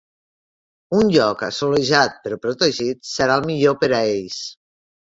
Un lloc assolellat però protegit serà el millor per a ells.